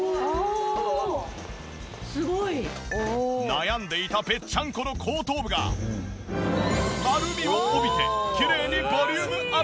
悩んでいたぺっちゃんこの後頭部が丸みを帯びてきれいにボリュームアップ！